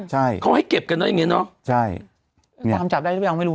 ใช่เขาให้เก็บกันเนอะอย่างเงี้ยเนอะใช่เนี้ยความจับได้หรือไม่รู้